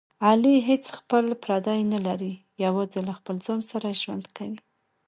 علي هېڅ خپل پردی نه لري، یوازې له خپل ځان سره ژوند کوي.